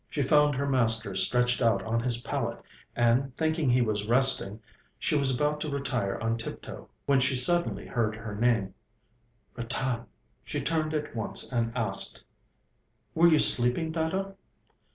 She found her master stretched out on his pallet, and, thinking he was resting, she was about to retire on tip toe, when she suddenly heard her name 'Ratan!' She turned at once and asked: 'Were you sleeping, Dada?'